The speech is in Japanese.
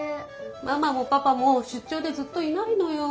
ママもパパもしゅっちょうでずっといないのよ。